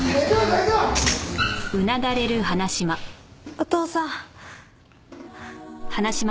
お父さん。